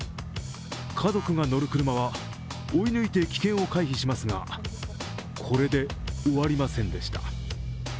家族が乗る車は、追い抜いて危険を回避しますがこれで終わりませんでした。